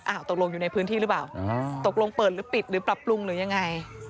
ตกลงอยู่ในพื้นที่หรือเปล่าตกลงเปิดหรือปิดหรือปรับปรุงหรือยังไง